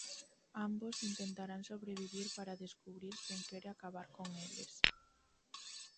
Ambos intentarán sobrevivir para descubrir quen quere acabar con eles.